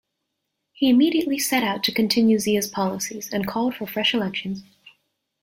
He immediately set out to continue Zia's policies and called for fresh elections.